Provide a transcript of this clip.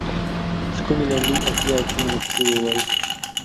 چې کومې لنډۍ اصلي او کومې نقلي ووایي.